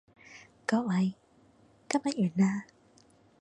各位，今日完啦